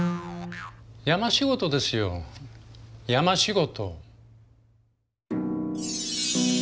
山仕事ですよ山仕事。